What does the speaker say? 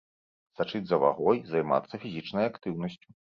Сачыць за вагой, займацца фізічнай актыўнасцю.